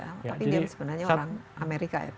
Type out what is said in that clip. tapi dia sebenarnya orang amerika ya